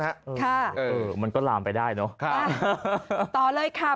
เออมันก็ลามไปได้เนอะค่ะต่อเลยค่ะ